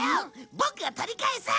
ボクが取り返す！